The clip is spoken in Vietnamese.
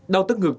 đau tức ngược tăng